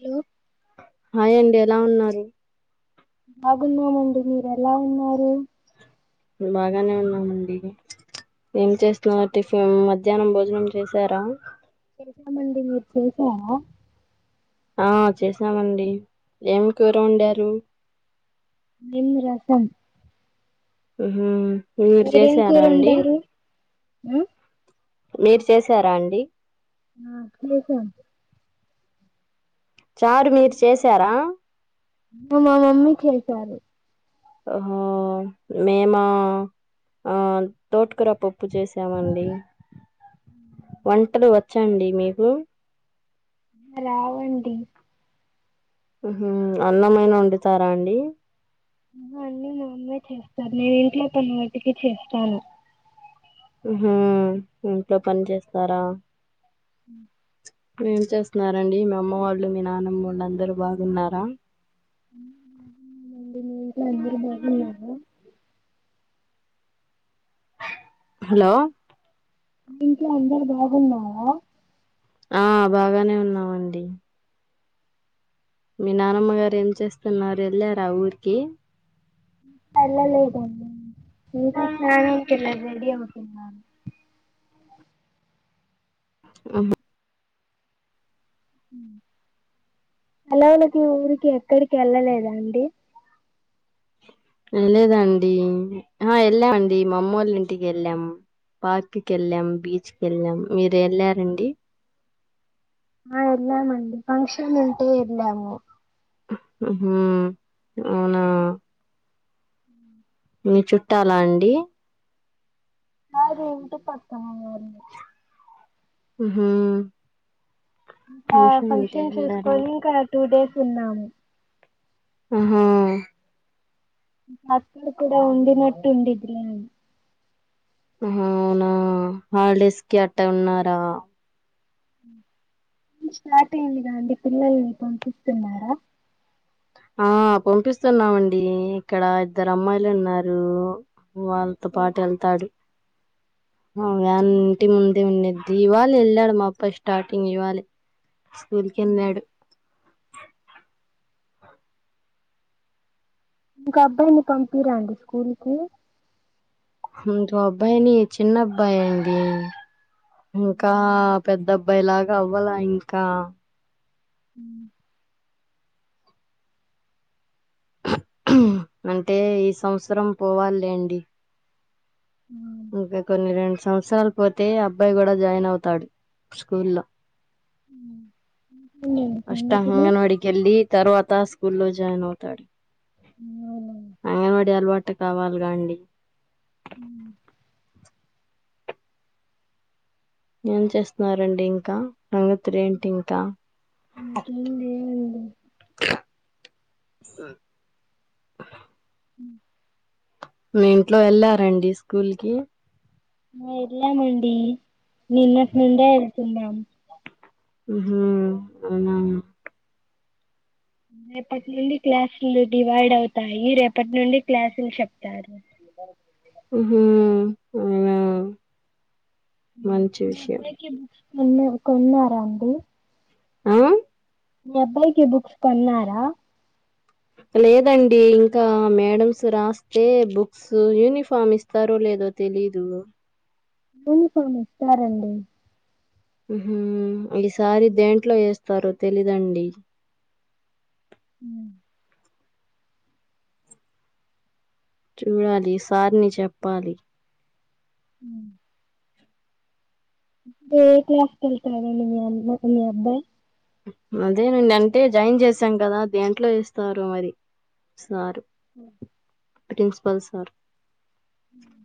hello hi అండి ఎలా ఉన్నారు బాగున్నామండి మీరు ఎలా ఉన్నారు మే బాగానే ఉన్నామండి ఏం చేస్తున్నార్ టిఫిన్ మధ్యాహ్నం భోజనం చేసారా చేసామండి మీరు చేసారా ఆ చేసామండి ఏం కూర వండారు నేను రసం ఉహు మీరు మీరేం కూర చేసారా అండి వండారు మీరు చేసారా అండి ఆ చేసాం చారు మీరు చేసారా మ మా మమ్మీ చేశారు ఒహొ మేమా ఆ తోటకుర పప్పు చేసామండి వంటలు వచ్చండి మీకు రావండి ఉహు అన్నమైన వండుతారా అండి అహ అన్ని మామ్మే చేస్తారు నేను ఇంట్లో పని మటికి చేస్తాను ఉహు ఇంట్లో పని చేస్తారా ఏం చేస్తున్నారండి మీ అమ్మ వాళ్ళు మీ నాన్నమొళ్ళు అందరు బాగున్నారా అందరు బాగున్నారండి మీ ఇంట్లో అందరు బాగున్నారా హలో మీ ఇంట్లో అందరు బాగున్నారా ఆ బాగానే ఉన్నామండి మీ నానమ్మ గారు ఏం చేస్తున్నారు ఎళ్ళార ఊరికి ఎళ్లలేదండి ఇంకా స్నానంకెళ్లారు రెడీ అవు తున్నారు ఆహా సెలవులకి ఊరికి ఎక్కడికి ఎళ్ళలేదా అండి లేదండి ఆ ఎళ్ళా అండి మా అమ్మోలింటికి ఎళ్ళాం పార్క్కి వెళ్ళాం బీచ్ కెళ్ళాం మీరు ఎళ్ళారండి ఆ ఎల్లామండి ఫంక్షన్ ఉంటే ఎళ్ళాము మ్మ్ హ్మ్ అవునా మీ చుట్టాలా అండి కాదు ఇంటి పక్కన ఉన్నా వాళ్ళు మ్మ్ ఇంకా ఫంక్షన్ చేసుకొని ఇంకా టూ డేస్ ఉన్నాము ఆ ఫస్ట్ కూడా ఉన్నట్టు ఉండిదిలే అని అవునా హాలిడేస్ కి అట్టా ఉన్నారా స్టార్ట్ అయిందిగాండి పిల్లల్ని పంపిస్తున్నారా ఆ పంపిస్తున్నామండి ఇక్కడ ఇద్దరు అమ్మాయిలు ఉన్నారు వాళ్ళతో పాటు వెళ్తాడు అ ఇంటి ముందే ఉండిద్ది ఇవాలే వెళ్ళాడు మా అబ్బాయి స్టార్టింగ్ ఇవాలే స్కూల్ కి వెళ్ళాడు ఇంకా అబ్బాయిని పంపిరా అండి స్కూల్ కి ముందు అబ్బాయిని చిన్న అబ్బాయి అండి ఇంకా పెద్ద అబ్బాయి లాగా అవ్వాల ఇంకా అ అంటే ఈ సంవత్సరం పోవాలే అండి ఇంకా కొన్ని రెండు సంవత్సరాలు పోతే అబ్బాయి కూడా జాయిన్ అవుతాడు స్కూల్లో ఇంకేంటండి ఫస్ట్ సంగతులు అంగన్వాడికి వెళ్ళి తర్వాత స్కూల్ లో జాయిన్ అవుతాడు అంగన్వాడి అలవాటు కావాలిగా అండి అ ఏం చేస్తున్నారండి ఇంకా సంగతులు ఏంటి ఇంకా ఇంకేం లేవండి హ్మ్ మీ ఇంట్లో వెళ్లారండి స్కూల్ కి వెళ్ళామండి నిన్నటి నుండే వెళ్తున్నాం హ్మ్ అవునా రేపటి నుండి క్లాసులు డివైడ్ అవుతాయి రేపటి నుండి క్లాసులు చెప్తారు హ్మ్ అవునా మంచి విషయం ఏమైనా కొన్నారా అండి ఆ మీ అబ్బాయికి బుక్స్ కొన్నారా లేదండి ఇంకా మేడమ్స్ రాస్తే బుక్స్ యూనిఫార్మ్ ఇస్తారు లే లేదో తెలిదు యూనిఫామ్ ఇస్తారండి హ్మ్ హు ఈసారి దేంట్లో ఏస్తారో తెలీదండి ఉమ్ చూడాలి సార్ని చెప్పాలి హ్మ్ ఏ క్లాస్ కి వెళ్తారు మీ అమ్ మీ అబ్బాయ్ అదేనండి అంటే జాయిన్ చేసాం కదా దేంట్లో వేస్తారో మరి సార్ ఉమ్ ప్రిన్సిపల్ సార్ ఉమ్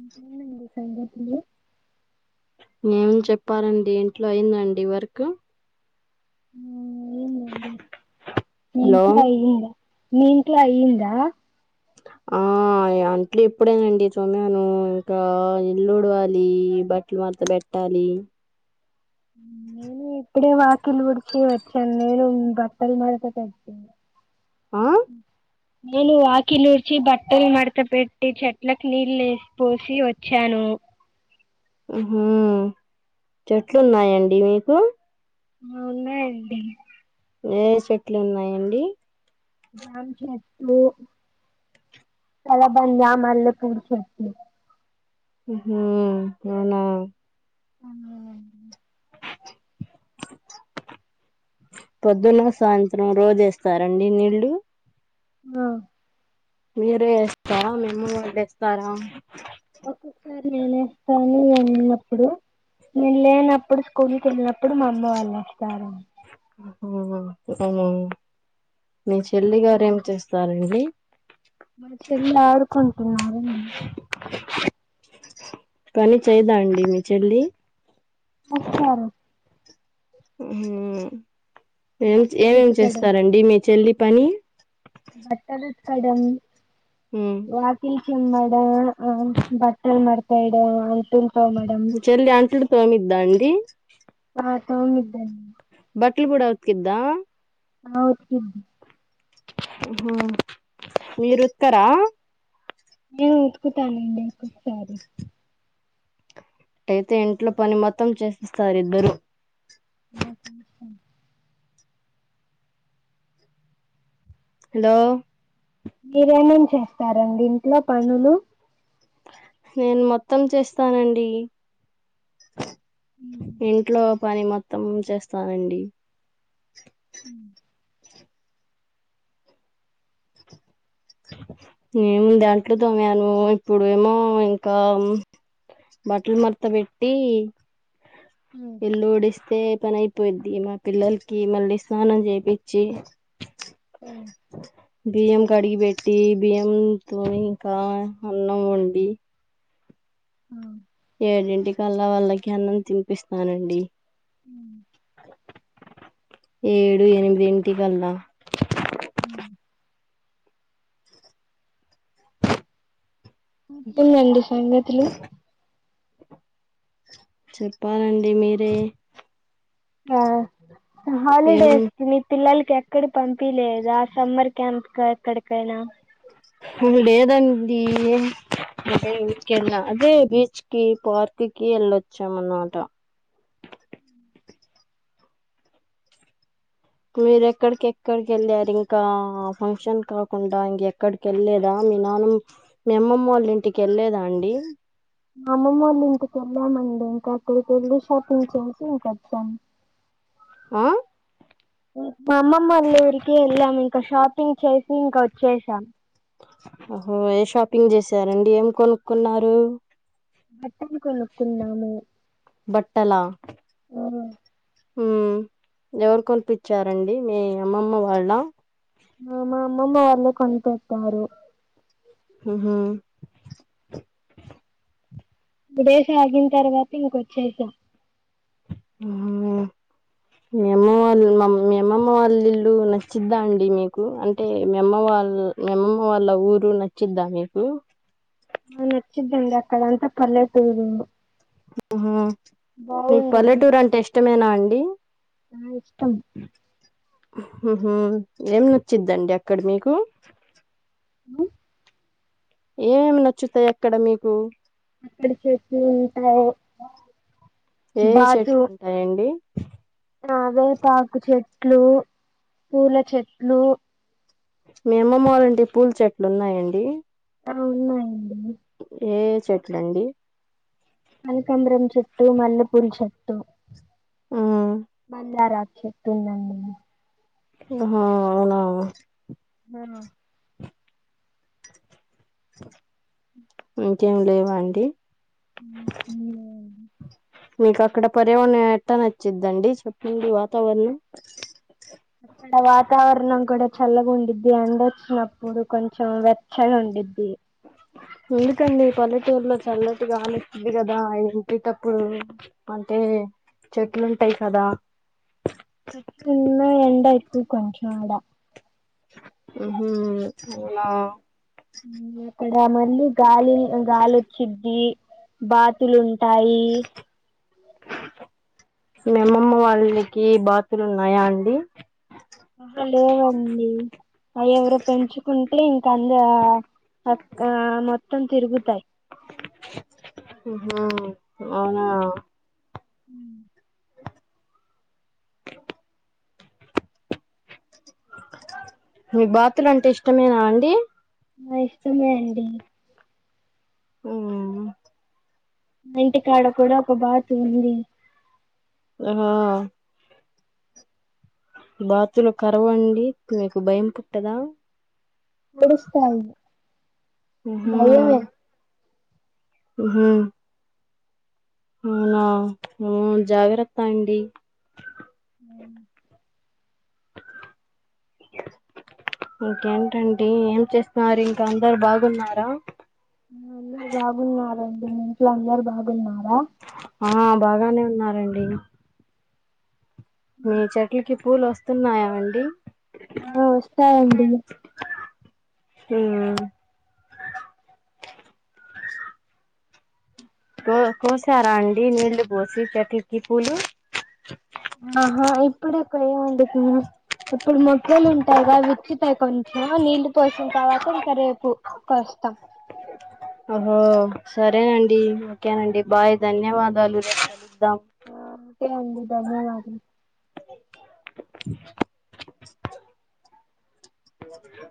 ఇంకేంటండి సంగతులు ఏమి చెప్పాలండి ఇంట్లో అయిందండి వర్క్ ఆ అయింది అండీ మీ హలో ఇంట్లో అయిందా మీ ఇంట్లో అయ్యిందా క ఆ అంట్లే ఇప్పుడేనండి తోమను ఇంకా ఇళ్లు ఊడవాలి బట్లు మడత బెట్టాలి ఉమ్ ఉమ్ ఇప్పుడే వాకిళ్లు ఉడిచి వచ్చాను నేను బట్టల మడత పెట్టాను ఆ నేను వాకిళ్లు ఉడిచి బట్టలు మడత పెట్టి చెట్లలకు నీళ్ళు వేసి పోసి వచ్చాను ఆ హ్మ్ హు చెట్లున్నాయండి మీకు ఆ ఉన్నాయండి ఏ ఏ చెట్లు ఉన్నాయండి జామ్ చెట్లు కలబంద ఆ మల్ల పూల్ చెట్టు హ్మ్ హు అవునా ఆ అవునండి [inaudible] పొద్దున్న సాయంత్రం రోజేస్తారండి నీళ్ళు ఆ మీరే ఏస్తారా మీ అమ్మ వాళ్లేస్తారా ఒక్కొక్కసారి నేనేస్తాను నేనున్నప్పుడు నేను లేనప్పుడు స్కూల్కి వెళ్ళినప్పుడు మా అమ్మ వాళ్ళు ఏస్తారు ఆహా ఔనా మీ చెల్లిగారు ఏమి చేస్తారండి మా చెల్లి ఆడుకుంటున్నాడు అండీ పని చేయదా అండి మీ చెల్లి వస్తారు హ్మ్ హు ఏం బట్టలు ఏమేమి ఉతకడం చేస్తారండి మీ చెల్లి పని బట్టలు ఉతకడం వాకిల్ చిమ్మడ ఆ బట్టలు మడత వేయడం అంట మీ చెల్లి అట్లు తోమిద్దా అండి తోముద్ది అండీ బట్టలు కూడా ఉతుకిద్దా ఆ ఉతుకిద్ది మీరు వస్తారా నేను ఉతుకుతానండి ఒక్కొక్కసారి అయితే ఇంట్లో పని మొత్తం చేసిస్తారు ఇద్దరు మా చేస్తాం హలో మీరేమేం చేస్తారండి ఇంట్లో పనులు నేను మొత్తం చేస్తానండి ఇంట్లో పని మొత్తం చేస్తానండి హుమ్ నేం దాంట్లో తోమను ఇప్పుడుేమో ఇంకా బట్టలు మర్త పెట్టి ఇల్లూడిస్తే పనయిపోయిద్ది మా పిల్లలకి మళ్ళీ స్నానం చేపిచ్చి [inaudible] బియ్యం కడిగి పెట్టి బియ్యంతో ఇంకా అన్నం వండి హ్మ్ము ఏడింటి కల్లా వాళ్ళకి అన్నం తినిపిస్తానండి హుమ్ ఏడు ఎనిమిదింటి కల్లా హ్మ్మ్ ఇంకేంటి సంగతులు చెప్పాలండి మీరే ఆ హాలిడే ఏం ఇస్తే పిల్లలకి ఎక్కడ పంపి లేద ఆ సమ్మర్ క్యాంప్ ఎక్కడికైనా ఇప్పుడు లేదండి ఏమి అదే బీచ్కి పార్కి వెళ్లొచ్చన్నమాట మీర ఎక్కడికి ఎక్కడికి వెళ్ళారు ఇంకా ఫంక్షన్ కాకుండా ఇంక ఎక్కడికి వెళ్ళలేదా మీ నాన్న మీ అమ్మమ్మ వాళ్ళ ఇంటికి వెళ్ళలేదాండి మాఅమ్మమ్మవాళ్ళ ఇంటికి వెళ్ళానండి [unintelligible] షాపింగ్ చేసి ఇంకా ఫన్ ఆ మా అమ్మమ్మ వాళ్ళ ఊరికి వెళ్ళాం ఇంకా షాపింగ్ చేసి ఇంకా వచ్చేసాం ఓహో ఏ షాపింగ్ చేసారండి ఏం కొనుక్కున్నారు బట్టలు కొనుకున్నామ బట్టలా ఉ ఎవరు కొనిపించారండి మీ అమ్మమ్మ వాళ్ళ మా మా అమ్మమ్మ వళ్లో కొనిపెట్టారు మరి ఉహూ ముడేసి ఆగిన తర్వాత ఇంకొచ్చేసాం హ్మ్మ్ మీ అమ్మ వాళ్ళ మీ అమ్మమ్మ వాళ్ళ ఇల్లు నచ్చిద్దా అండి మీకు అంటే మీ అమ్మ వాళ్ళ మీ అమ్మమ్మ వాళ్ళ ఊరు నచ్చిద్దా మీకు న నచ్చద్దండి అక్కడ అంతా పల్లెటూరు ఉంది ఆహా మీకు పల్లెటూరు అంటే ఇష్టమేనా అండి నా ఇష్టం ఉ హు ఏం నచ్చిందండి అక్కడ మీకు ఉ ఏమేమి నచ్చుతాయి ఎక్కడ మీకు అక్కడ చెప్పి ఉంటావు ఏఏ చెట్లు ఉంటాయండి కరివేపాకు చెట్లు పూల చెట్లు మీ అమ్మమ్మ వాళ్ళింట్లో పూల చెట్లు ఉన్నాయండి అక్కడ ఉన్నాయి ఏ ఏ చెట్లండి కనకాంబరం చెట్టు మల్లెపూల చెట్టు ఉమ్ మందారం చెట్టు ఉందండి ఆ హు అవునా ఆ ఇంకేం లేవాఅండి మీకు అక్కడ పర్యావరణం ఎట్ట నచ్చిందండి చెప్పంది వాతావరణం అక్కడ వాతావరణం కూడా చల్లగా ఉండిద్ది ఎండ వచ్చినప్పుడు కొంచెం వెచ్చగా ఉండిద్ది ఉ హు ఎందుకండి పల్లెటూరులో చల్లటిగానిస్తుంది కదా ఎంటిటప్పుడు అంటే చెట్లు ఉంటాయి కదా ఎక్కువ ఉన్నావ్ ఎండలు కొంచెం ఆడా ఉ హు ఆ అక్కడ మళ్ళీ గాలి గాలి వచ్చిద్ది బాతులుంటాయి మీ అమ్మమ్మ వాళ్ళకి బాతులు ఉన్నాయా అండి ఆ లేవండి ఎవరు పెంచుకుంటే ఇంకంద అక్క మొత్తం తిరుగుతాయి ఉ హు అవునా ఉ మీ బాతులు అంటే ఇష్టమేనా అండి ఆ ఇష్టమే అండి ఆ ఇంటికాడ కూడా ఒక బాతు ఉంది ఆ బాతులో కరవ అండి మీకు భయం పుట్టదా ఏడుస్తాయి ఆ హు భయమే ఉ హు అవునా జాగ్రత్త అండి ఆ ఇంకేంటండి ఏం చేస్తున్నారు ఇంకా అందరు బాగున్నారా అందరు బాగున్నార మీ ఇంట్లో అందరు బాగున్నార ఆ బాగానే ఉన్నారండి మీ చెట్లకి పూలు వస్తున్నాయాఅండి ఆ వస్తాయండి ఉ ఓ కోశారా అండి నీళ్లు బోసి చెట్లకి పూలు ఎం వండుతున్న ఇప్పుడు మొగ్గలు ఉంటాయిగా అవి చ్చుతాయి కొంచెం నీళ్లు పోసిన తర్వాత ఇంకా రేపు కోస్తాం అహో సరేనండి ఓకేనండి బాయ్ ధన్యవాదాలు కే అండి ధన్యవాదాలు ఆ హలో విజయ